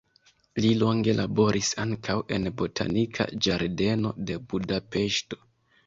Li longe laboris ankaŭ en botanika ĝardeno de Budapeŝto.